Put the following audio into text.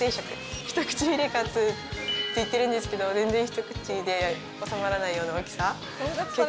一口ヒレカツって言ってるんですけど、全然一口で収まらないような大きさ。